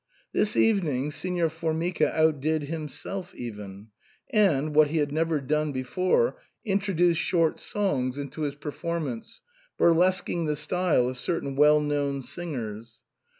This evening Signor Formica outdid himself even, and, what he had never done before, introduced short songs into his pei formance, burlesquing the style of certain well known singers.